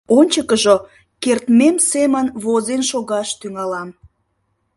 Ончыкыжо кертмем семын возен шогаш тӱҥалам.